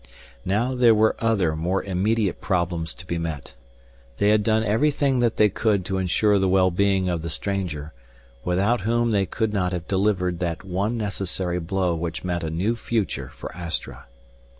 Now there were other, more immediate, problems to be met. They had done everything that they could to insure the well being of the stranger, without whom they could not have delivered that one necessary blow which meant a new future for Astra.